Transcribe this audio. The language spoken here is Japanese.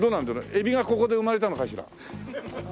海老がここで生まれたのかしら？